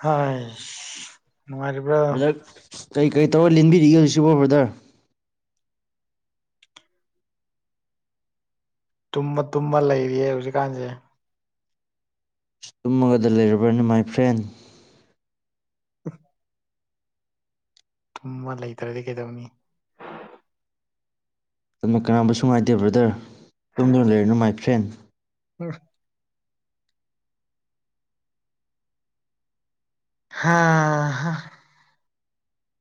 ꯍꯥꯏ꯭ꯁ ꯅꯨꯡꯉꯥꯏꯔꯤ ꯕ꯭ꯔꯥꯗꯛ ꯀꯔꯤ ꯀꯔꯤ ꯇꯧꯔ ꯂꯦꯟꯕꯤꯔꯤꯒꯦ ꯍꯧꯖꯤꯛꯁꯤꯕꯣ ꯕ꯭ꯔꯥꯗꯔ ꯇꯨꯝꯃ ꯇꯨꯝꯃ ꯂꯩꯔꯤꯌꯦ ꯍꯧꯖꯤꯛꯀꯥꯟꯖꯦ ꯇꯨꯝꯃꯒꯗ ꯂꯩꯔꯕ꯭ꯔꯅꯦ ꯃꯥꯏ ꯐ꯭ꯔꯦꯟ [unintelligible] ꯇꯨꯝꯃ ꯂꯩꯇ꯭ꯔꯥꯗꯤ ꯀꯩꯗꯧꯅꯤ ꯃꯥꯇꯝꯅꯥ ꯀꯅꯥꯕꯨꯁꯨ ꯉꯥꯏꯗꯦ ꯕ꯭ꯔꯥꯗꯔ ꯇꯨꯝꯗꯨꯅ ꯂꯩꯔꯅꯨ ꯃꯥꯏ ꯐ꯭ꯔꯦꯟ [unintelligible] ꯍꯍꯥ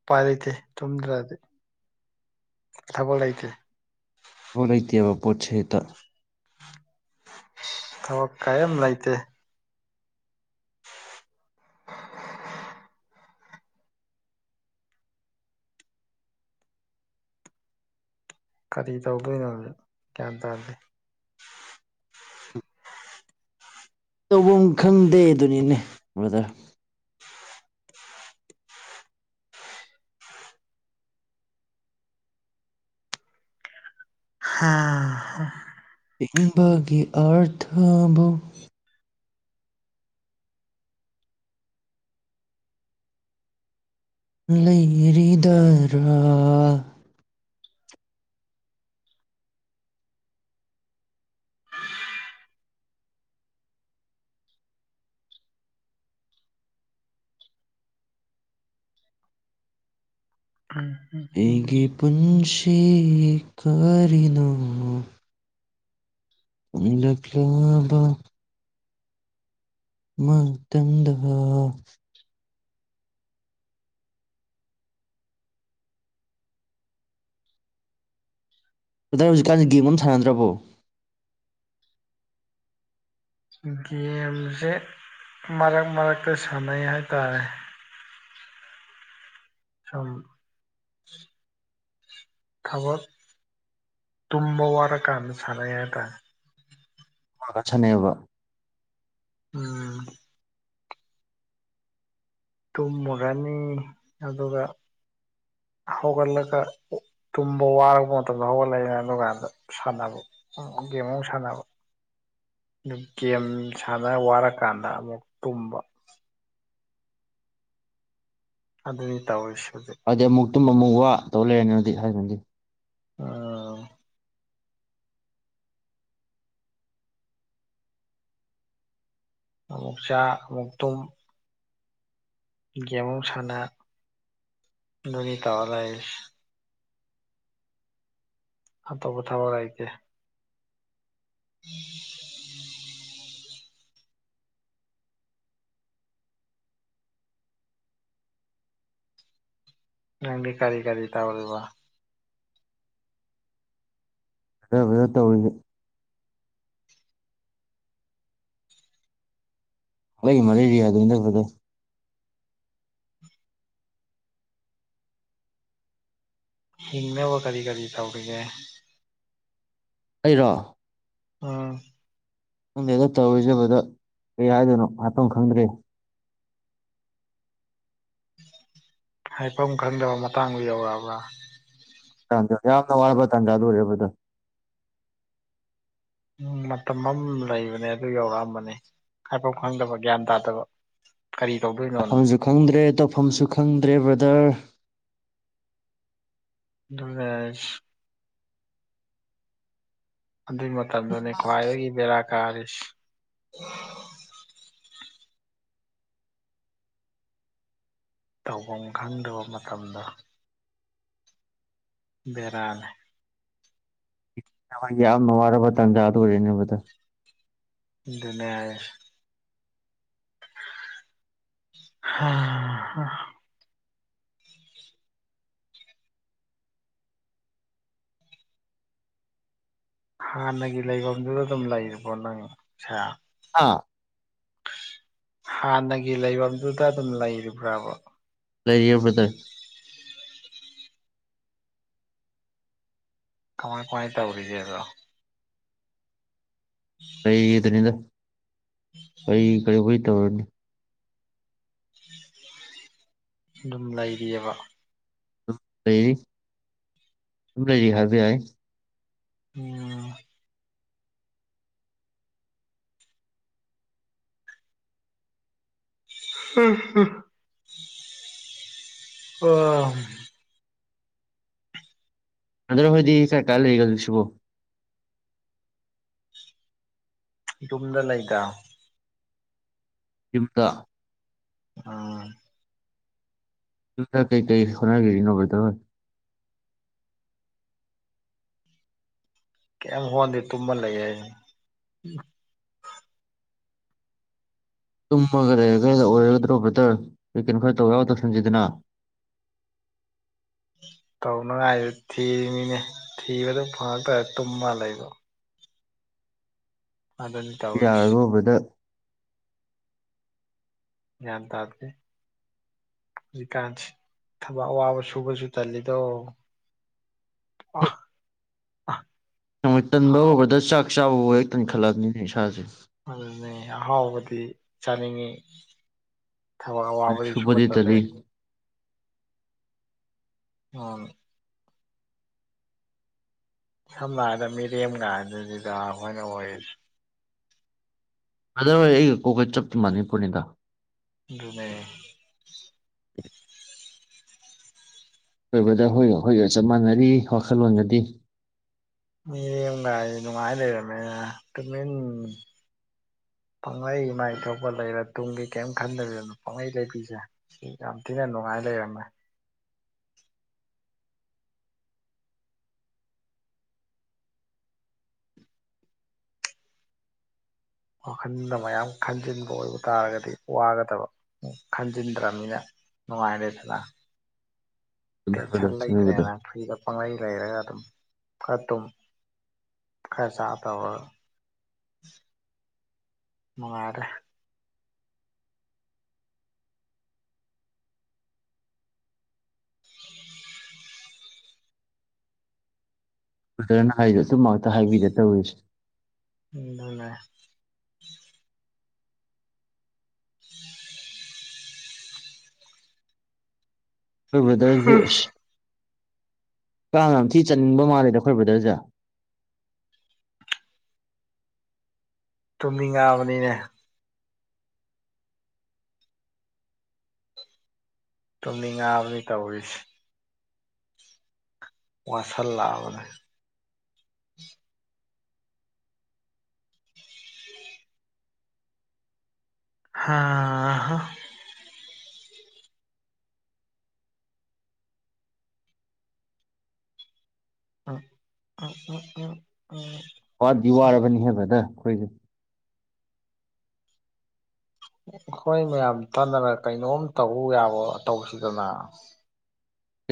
ꯎꯄꯥꯏ ꯂꯩꯇꯦ ꯇꯨꯝꯗ꯭ꯔꯗꯤ ꯊꯕꯛ ꯂꯩꯇꯦ ꯊꯥꯕꯛ ꯂꯩꯇꯦꯕ ꯄꯣꯠꯁꯦ ꯍꯦꯛꯇ ꯊꯕꯛ ꯀꯩꯝ ꯂꯩꯇꯦ ꯀꯔꯤ ꯇꯧꯗꯣꯏꯅꯣ ꯍꯧꯖꯤꯛ ꯒ꯭ꯌꯥꯟ ꯇꯥꯗꯦ ꯇꯧꯕꯝ ꯈꯪꯗꯦ ꯗꯨꯅꯤꯅꯦ ꯕ꯭ꯔꯗꯔ [unintelligible] ꯍꯤꯡꯕꯒꯤ ꯑꯥꯔꯊꯕꯨ ꯂꯩꯔꯤꯗꯥꯔꯥ [unintelligible] ꯑꯩꯒꯤ ꯄꯨꯟꯁꯤ ꯀꯔꯤꯅꯣ ꯍꯨꯝꯂꯛꯂꯕ ꯃꯇꯝꯗꯥ ꯕ꯭ꯔꯥꯗꯔ ꯍꯧꯖꯤꯛꯀꯥꯟꯖꯦ ꯒꯦꯝꯒ ꯑꯝ ꯁꯤꯟꯅꯗ꯭ꯔꯕꯣ ꯒꯦꯝꯖꯦ ꯃꯔꯛ ꯃꯔꯛꯇ ꯁꯥꯟꯅꯩ ꯍꯥꯏꯇꯥꯔꯦ ꯁꯝ ꯊꯕꯛ ꯇꯨꯝꯕ ꯋꯥꯔꯀꯥꯟꯗ ꯁꯥꯟꯅꯩ ꯍꯥꯏꯇꯥꯔꯦ ꯉꯥꯛ ꯉꯥꯛ ꯁꯅꯩꯍꯥꯏꯕ ꯎꯨꯝ ꯇꯨꯝꯃꯒ ꯑꯅꯤ ꯑꯗꯨꯒ ꯍꯧꯒꯠꯂꯒ ꯑꯣ ꯇꯨꯝꯕ ꯋꯥꯔꯕ ꯃꯇꯝꯗ ꯍꯧꯒꯠꯂꯛꯏ ꯑꯗꯨꯀꯥꯟꯗ ꯁꯥꯟꯅꯕ ꯎꯝ ꯒꯦꯝ ꯑꯃꯥꯃꯨꯛ ꯁꯥꯟꯅꯕ ꯗꯨ ꯒꯦꯝ ꯁꯥꯟꯅ ꯋꯥꯔꯀꯥꯟꯗ ꯑꯃꯨꯛ ꯇꯨꯝꯕ ꯑꯗꯨꯅꯤ ꯇꯧꯔꯤꯁꯤ ꯍꯧꯖꯤꯛ ꯍꯥꯏꯗꯤ ꯑꯃꯨꯛ ꯇꯨꯝꯕ ꯑꯃꯨꯛ ꯋꯥ ꯇꯧ ꯂꯩꯔꯅ ꯃꯗꯤ ꯍꯥꯏꯒꯟꯗꯦ ꯑꯥ ꯑꯃꯨꯛ ꯆꯥ ꯑꯃꯨꯛ ꯇꯨꯝ ꯒꯦꯝ ꯑꯃꯨꯛ ꯁꯥꯟꯅ ꯑꯗꯨꯅꯤ ꯇꯧꯔꯥ ꯂꯩꯔꯤꯁ ꯑꯇꯣꯞꯄ ꯊꯕꯛ ꯂꯩꯇꯦ [inaudible] ꯅꯪꯗꯤ ꯀꯔꯤ ꯀꯔꯤ ꯇꯧꯔꯤꯕ ꯀꯔꯝ ꯀꯔꯝ ꯇꯧꯔꯤꯒꯦ ꯍꯒꯤ ꯃꯂꯦꯔꯤꯌꯥ ꯑꯗꯨ ꯐꯗ ꯏꯕꯨ ꯀꯔꯤ ꯀꯔꯤ ꯇꯧꯔꯤꯉꯦ ꯑꯩꯔꯣ ꯎꯝ ꯅꯪꯗꯦꯗ ꯇꯧꯔꯣꯏꯖꯕꯗ ꯀꯩ ꯍꯥꯏꯗꯣꯏꯅꯣ ꯃꯐꯝ ꯈꯪꯗ꯭ꯔꯦ ꯍꯥꯏꯐꯝ ꯈꯪꯗꯕ ꯃꯇꯥꯡꯗ ꯌꯧꯔꯛꯑꯕ꯭ꯔꯥ ꯇꯖꯥ ꯌꯥꯝꯅ ꯋꯥꯕ ꯇꯥꯟꯖꯥ ꯑꯗꯨ ꯑꯣꯏꯔꯦꯕꯗ ꯎꯝ ꯃꯇꯝ ꯑꯃ ꯂꯩꯕꯅꯦ ꯑꯗꯨ ꯌꯧꯔꯛꯑꯝꯕꯅꯦ ꯍꯥꯏꯐꯥꯎ ꯈꯪꯗꯕ ꯒ꯭ꯌꯥꯟ ꯇꯥꯗꯕ ꯀꯔꯤ ꯇꯧꯗꯣꯏꯅꯣꯅꯣ ꯍꯥꯏꯐꯝꯁꯨ ꯈꯪꯗ꯭ꯔꯦ ꯇꯧꯐꯝꯁꯨ ꯈꯪꯗ꯭ꯔꯦ ꯕ꯭ꯔꯗꯔ ꯑꯗꯨ ꯑꯗꯨꯒꯤ ꯃꯇꯝꯗꯨꯅꯦ ꯈ꯭ꯋꯥꯏꯗꯒꯤ ꯕꯦꯔꯥ ꯀꯥꯔꯤꯁ ꯇꯧꯐꯝ ꯈꯪꯗꯕ ꯃꯇꯝꯗ ꯕꯔꯜ ꯅꯒꯤ ꯌꯥꯝꯅ ꯋꯥꯔꯕ ꯇꯟꯖꯥꯗ ꯑꯣꯏꯔꯅꯦꯕꯗ ꯑꯗꯨꯅꯦꯔ ꯍ ꯍꯥꯟꯅꯒꯤ ꯂꯩꯐꯝꯗꯨꯗ ꯑꯗꯨꯝ ꯂꯩꯔꯤꯕꯣ ꯅꯪ ꯁꯥꯦ ꯑꯥ ꯍꯥꯟꯅꯒꯤ ꯂꯩꯐꯝꯗꯨꯗ ꯑꯗꯨꯝ ꯂꯩꯔꯤꯕ꯭ꯔꯕ ꯂꯩꯕꯗ ꯀꯃꯥꯏ ꯀꯃꯥꯏꯅ ꯇꯧꯔꯤꯒꯦ ꯑꯗꯣ ꯀꯗꯅꯤꯗ ꯀ ꯀꯔꯤ ꯀꯏ ꯇꯧꯔꯅꯤ ꯑꯗꯨꯝ ꯂꯩꯔꯤꯑꯕ ꯂꯩꯔꯤ ꯁ ꯂꯩꯔꯤ ꯍꯥꯏꯕ ꯌꯥꯏ ꯎꯝ ꯑ ꯑꯗꯨ꯭ꯔꯣ ꯍꯣꯏꯗꯤ ꯀꯥꯏ ꯀꯥꯏ ꯂꯩꯒ ꯁꯤꯕꯨꯣ ꯌꯨꯝꯗ ꯂꯩꯒ ꯌꯨꯝꯇ ꯑ ꯇ ꯀꯩ ꯀꯩ ꯈꯣꯅꯥ ꯈꯦꯔꯤ ꯅꯧꯧꯕꯣꯏꯗꯧꯣ ꯀꯦꯝ ꯍꯣꯗꯦ ꯇꯨꯃ ꯂꯩꯦ ꯇꯨꯝꯃꯒ ꯂꯩ ꯀꯗ ꯑꯣꯏꯔꯒꯗ꯭ꯔꯣ ꯕꯇꯔ ꯑꯩ ꯀꯩꯅꯣ ꯈꯔ ꯇꯧ ꯌꯥꯎ ꯇꯧꯁꯟꯁꯤꯗꯅ ꯇꯧꯅꯉꯥꯏꯗꯨ ꯊꯤꯔꯤꯅꯤꯅꯦ ꯊꯤꯕꯗ ꯐꯪꯉꯛꯇ꯭ꯔ ꯇꯨꯝꯃ ꯂꯩꯕꯣ ꯑꯗꯨ ꯑꯗꯨꯅꯤ ꯇꯧꯔꯤꯁꯤ ꯌꯥꯔꯒ ꯎꯕꯗ ꯌꯥ ꯇꯦ ꯍꯧꯖꯤꯛꯀꯥꯟꯁꯤ ꯊꯕꯛ ꯑꯋꯥꯕ ꯁꯨꯕꯁꯨ ꯇꯜꯂꯤꯗꯣ ꯑ ꯑ ꯅꯃꯣꯏ ꯇꯟꯕ ꯍꯕꯗ ꯆꯥꯛ ꯆꯥꯕꯕꯨ ꯑꯣꯏꯔꯦꯛꯇꯅꯤ ꯈꯜꯂꯛꯕꯅꯤꯅꯦ ꯏꯁꯥꯁꯦ ꯑꯗꯨꯅꯦ ꯑꯍꯥꯎꯕꯗꯤ ꯆꯥꯅꯤꯡꯉꯤ ꯊꯋꯥ ꯋꯥꯋꯥꯕꯗꯤꯁꯨꯕ ꯁꯨꯕꯗꯤ ꯆ ꯇꯜꯂꯤ ꯂꯩꯦ ꯑ ꯁꯝꯅ ꯍꯥꯏꯗ ꯃꯤꯔꯦꯝꯒ ꯑꯗꯨꯅꯤꯗ ꯑꯩꯈꯣꯏꯅ ꯑꯣꯏꯔꯤꯁꯦ ꯑꯗꯔꯋꯥꯏ ꯑꯩꯒ ꯀꯣꯛꯀ ꯆꯞ ꯆ ꯃꯥꯟꯅꯤ ꯄꯨꯔꯅꯤꯗ ꯑꯗꯨꯅꯦ ꯂꯣꯏꯕꯗ ꯍꯣꯏ ꯍꯈꯣꯏꯒ ꯆꯞ ꯃꯥꯟꯅꯔꯤ ꯋꯥꯈꯜꯂꯣꯟꯒꯗꯤ ꯃꯤꯉꯥꯏ ꯅꯨꯡꯉꯥꯏ ꯂꯩꯔꯝꯃꯦ ꯇꯃꯤꯟ ꯄꯪꯍꯩ ꯏꯃꯥꯏ ꯊꯣꯛꯄ ꯂꯩꯔ ꯇꯨꯡꯒꯤ ꯀꯔꯤꯝ ꯈꯟꯗꯕꯤꯗꯅꯣ ꯄꯥꯡꯒꯩ ꯂꯩꯕꯤꯁꯦ ꯁꯤ ꯌꯥꯝ ꯊꯤꯅ ꯅꯨꯡꯉꯥꯏ ꯂꯩꯔꯝꯃꯦ ꯋꯥꯈꯜꯗ ꯃꯌꯥꯝ ꯈꯟꯖꯤꯟꯕ ꯑꯣꯏꯕ ꯇꯥꯔꯒꯗꯤ ꯋꯥꯒꯗꯕ ꯈꯟꯖꯤꯟꯗ꯭ꯔꯅꯤꯅ ꯅꯨꯡꯉꯥꯏꯔꯦꯗꯗ ꯆꯨꯝꯃꯦ ꯕ꯭ꯔꯗꯔ ꯆꯨꯝꯃꯦ ꯕ꯭ꯔꯗꯔ ꯆꯂꯥꯏꯔꯦꯅ ꯐ ꯄꯥꯡꯒꯩ ꯂꯩꯔꯒ ꯑꯗꯨꯝ ꯈꯔꯠꯇꯨꯝ ꯈꯔ ꯆꯥ ꯇꯧꯔꯒ ꯃꯅꯨꯡꯉꯥꯗꯦ [unintelligible] ꯑꯗꯨꯗꯅ ꯍꯥꯏꯗ ꯑꯗꯨ ꯉꯥꯛꯇ ꯍꯥꯏꯕꯤꯗ ꯇꯧꯔꯤꯁꯦ ꯎꯅꯦ [unintelligible] ꯑꯩꯈꯣꯏ ꯕ꯭ꯔꯗꯔꯁꯦ ꯑꯁ ꯀ ꯌꯥꯝꯊꯤ ꯆꯟꯅꯤꯡꯕ ꯃꯥꯜꯂꯦꯗ ꯑꯩꯈꯣꯏ ꯕ꯭ꯔꯗꯔꯁꯦ ꯇꯨꯝꯅꯤꯡꯉꯛꯑꯕꯅꯤꯅꯦ ꯇꯨꯝꯅꯤꯡ ꯉꯥꯕꯅꯤ ꯇꯧꯔꯤꯁꯦ ꯋꯥꯁꯜ [unintelligible] ꯎꯝ ꯎ ꯎꯝ ꯎꯝ ꯎꯝ ꯋꯥꯗꯤ ꯋꯥꯔꯕꯅꯤ ꯍꯥꯏꯕꯗ ꯑꯩꯈꯣꯏꯁꯦ ꯍꯣꯏ ꯃꯌꯥꯝ ꯇꯥꯟꯅꯔ ꯀꯩꯅꯣꯝ ꯇꯧ ꯌꯥꯕ ꯇꯧꯕꯁꯤꯗꯅ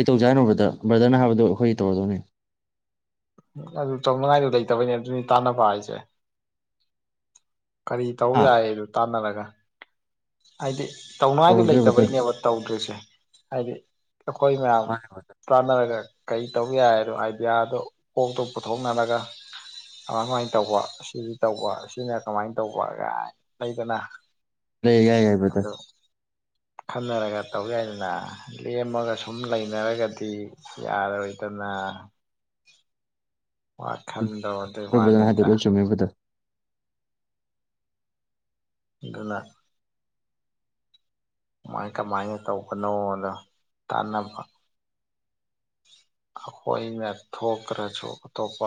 ꯀꯩꯧꯥ ꯍꯥꯏꯅꯣꯕ꯭ꯔꯗ ꯕ꯭ꯔꯗꯅ ꯍꯥꯏꯕꯗꯣ ꯑꯩꯈꯣꯏ ꯇꯧꯔꯗꯣꯏꯅꯤ ꯑꯗꯨ ꯇꯪ ꯃꯉꯏꯗ ꯂꯩꯇꯕꯅꯦ ꯑꯗꯨꯅꯤ ꯇꯥꯟꯅꯕ ꯍꯥꯏꯁꯦ ꯀꯔꯤ ꯇꯧ ꯍꯥ ꯌꯥꯏ ꯑꯗꯨ ꯇꯥꯟꯅꯔꯒ ꯍꯥꯏꯗꯤ ꯇꯧꯅꯉꯥꯏꯗ ꯇꯧꯔꯁꯦ ꯕ꯭ꯔꯗꯔ ꯂꯩꯇꯕꯩꯅꯦꯕ ꯇꯧꯗ꯭ꯔꯤꯁꯦ ꯍꯥꯏꯗꯤ ꯈꯣꯏ ꯃꯝ ꯃꯥꯅꯦ ꯇꯥꯟꯅꯔꯒ ꯀꯔꯤ ꯇꯧꯕ ꯌꯥꯏꯅꯣ ꯑꯥꯏꯗꯤꯌꯥꯗꯣ ꯀꯣꯛꯇꯣ ꯄꯨꯊꯣꯛꯅꯔꯒ ꯃꯥꯏ ꯁꯃꯥꯏꯅ ꯇꯧꯕ ꯁꯤꯁꯤ ꯇꯧꯕ ꯁꯤꯅ ꯀꯃꯥꯏꯅ ꯇꯧꯕ ꯂꯩꯗꯅ ꯂꯩꯦ ꯌꯥꯏ ꯌꯥ ꯑꯗꯣ ꯈꯟꯅꯔꯒ ꯇꯧ ꯌꯥꯏꯗꯅ ꯂꯦꯝꯃꯒ ꯁꯨꯝ ꯂꯩꯅꯔꯒꯗꯤ ꯌꯥꯔ ꯑꯣꯏꯇꯅ ꯋꯥꯈꯟꯗꯧ ꯑꯗꯨꯩ ꯍꯣꯏ ꯕ꯭ꯔꯗꯔ ꯋꯥꯅꯤꯗ [unintelligible] [unintelligible] ꯀꯃꯥꯏ ꯀꯃꯥꯏꯅ ꯇꯧꯕꯅꯣꯗ ꯇꯥꯟꯅꯕ ꯑꯩꯈꯣꯏꯅ ꯊꯣꯛꯈ꯭ꯔꯁꯨ ꯑꯇꯣꯞꯄ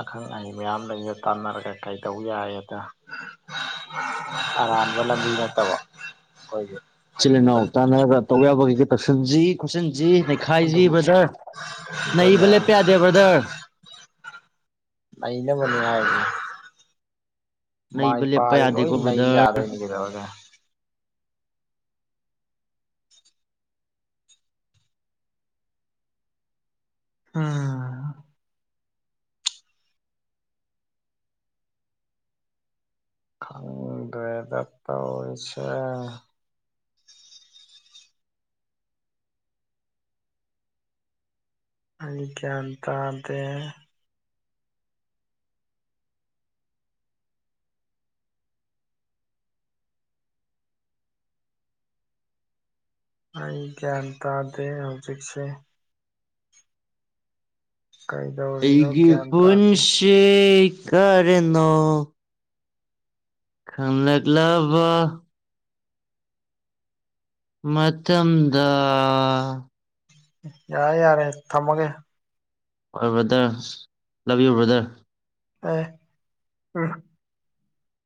ꯑꯈꯪ ꯑꯍꯩ ꯃꯌꯥꯝ ꯂꯩꯗ ꯇꯥꯟꯅꯔꯒ ꯀꯩꯗꯧꯕ ꯌꯥꯏꯗ ꯑꯔꯥꯟꯕ ꯂꯝꯕꯤ ꯅꯠꯇꯕ ꯑꯩꯈꯣꯏꯒꯤ ꯏꯆꯜ ꯏꯅꯥꯎ ꯑꯗꯨꯝ ꯇꯥꯟꯅꯔꯒ ꯇꯧ ꯌꯥꯕ ꯀꯩꯀꯩ ꯇꯧꯁꯤꯟꯁꯤ ꯈꯣꯠꯆꯟꯁꯤ ꯈꯥꯏꯖꯤ ꯑꯗꯨꯝ ꯕ꯭ꯔꯗꯔ ꯅꯩꯕ ꯂꯦꯞꯄ ꯌꯥꯗꯦ ꯕ꯭ꯔꯗꯔ ꯑꯅ ꯃꯅꯤ ꯌꯥ ꯃꯥꯏ ꯅꯩꯕ ꯂꯦꯞꯄ ꯄꯔꯤꯦ ꯂꯣꯏ ꯌꯥꯗꯦꯀꯣ ꯅꯩ ꯕ꯭ꯔꯗꯔ ꯌꯥꯗꯣꯏꯅꯤ ꯀꯔꯛꯑꯒ ꯎꯝ ꯋꯦꯗꯔ ꯇ ꯑꯣꯏꯁ ꯑ ꯀꯇꯥ ꯑꯗꯦ ꯑꯩ ꯒ꯭ꯌꯥꯟ ꯇꯥꯗꯦ ꯍꯧꯖꯤꯛꯁꯦ ꯀꯩꯗꯧꯔꯤꯅꯣ ꯑꯩꯒꯤ ꯒ꯭ꯌꯥꯟ ꯇꯥꯗꯦ [unintelligible] [unintelligible] ꯃꯇꯝꯗ ꯌꯥꯔꯦ ꯌꯥꯔꯦ ꯊꯝꯃꯒꯦ ꯍꯣꯏ ꯕ꯭ꯔꯗꯔ ꯂꯕꯤꯌꯨ ꯕ꯭ꯔꯗꯔ ꯑꯦ ꯎ